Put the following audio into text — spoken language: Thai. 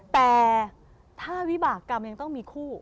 แต่ถ้าวิบากรรมยังต้องมีคู่